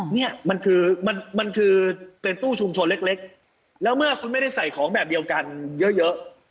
เนี่ยมันคือมันคือเป็นตู้ชุมชนเล็กแล้วเมื่อคุณไม่ได้ใส่ของแบบเดียวกันเยอะ